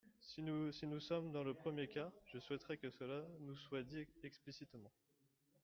Si nous sommes dans le premier cas, je souhaiterais que cela nous soit dit explicitement.